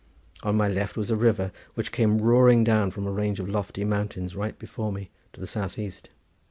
On my left was a river, which came roaring down from a range of lofty mountains right before me to the southeast.